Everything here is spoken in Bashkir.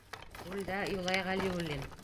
Рулдә — Юлай Ғәлиуллин.